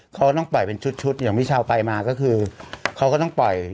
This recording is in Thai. เขาต้องปล่อยเป็นชุดชุดอย่างพี่ชาวไปมาก็คือเขาก็ต้องปล่อย